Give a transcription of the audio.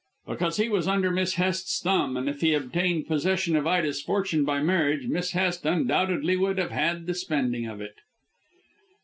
"Because he was under Miss Hest's thumb, and if he obtained possession of Ida's fortune by marriage Miss Hest undoubtedly would have had the spending of it."